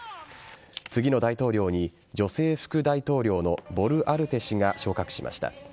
次の大統領に女性副大統領のボルアルテ氏が昇格しました。